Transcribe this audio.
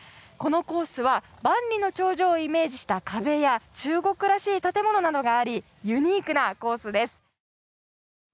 このコースは万里の長城をイメージした壁や中国らしい建物がありユニークなコースです。